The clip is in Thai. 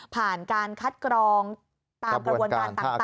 ผ่านการคัดกรองตามกระบวนการต่าง